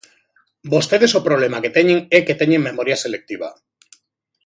Vostedes o que problema que teñen é que teñen memoria selectiva.